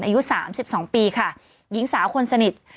อายุ๓๒ปีค่ะหญิงสาวคนสนิท